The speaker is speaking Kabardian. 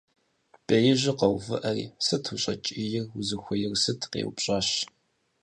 Беижьыр къэувыӀэри: - Сыт ущӀэкӀийр? Узыхуейр сыт?! - къеупщӀащ.